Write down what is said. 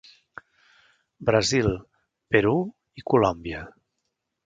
Brasil, Perú i Colòmbia.